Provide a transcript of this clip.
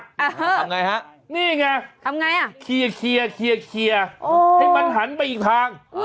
ทำไงฮะนี่ไงเคลียร์ให้มันหันไปอีกทาง